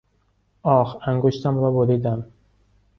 آخ! انگشتم را بریدم!